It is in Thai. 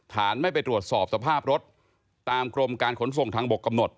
ไม่ไปตรวจสอบสภาพรถตามกรมการขนส่งทางบกกำหนด